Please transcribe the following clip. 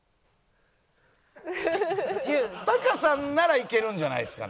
タカさんならいけるんじゃないですかね。